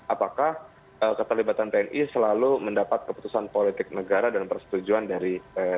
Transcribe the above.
apakah keterlibatan tni selalu mendapat keputusan politik negara dan persetujuan dari tni